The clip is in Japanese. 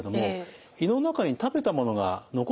胃の中に食べたものが残ってるとですね